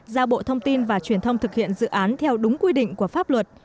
ra bộ thông tin và truyền thông thực hiện dự án theo đúng quy định của pháp luật